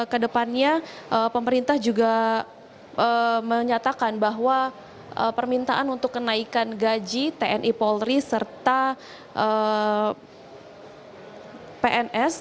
kedepannya pemerintah juga menyatakan bahwa permintaan untuk kenaikan gaji tni polri serta pns